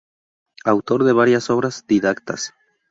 Autor de varias obras didácticas.